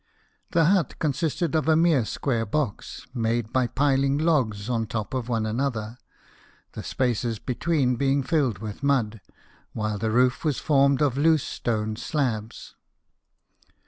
The hut consisted of a mere square box, made by piling logs on top of one another, the spaces between being rilled with mud, while the roof was formed of loose stone slabs.